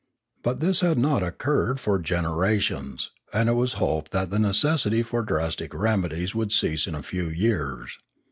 But this had not occurred for generations, and it was hoped that the necessity for drastic remedies would cease in a few years.